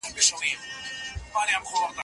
زه اوس ليکنه کوم.